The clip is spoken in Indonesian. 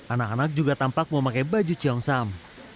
anak anak juga tampak mau pakai baju ciongsam